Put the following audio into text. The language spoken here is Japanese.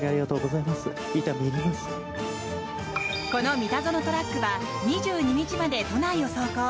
この三田園トラックは２２日まで都内を走行。